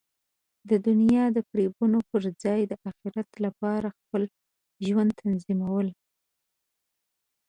د دنیا د فریبونو پر ځای د اخرت لپاره خپل ژوند تنظیمول.